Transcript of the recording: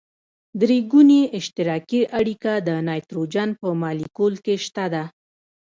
درې ګوني اشتراکي اړیکه د نایتروجن په مالیکول کې شته ده.